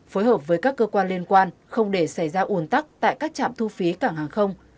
phối hợp với các cơ quan liên quan không để xảy ra ủn tắc tại các trạm thu phí cảng hàng không